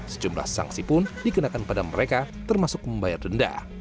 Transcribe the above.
sejumlah sanksi pun dikenakan pada mereka termasuk membayar denda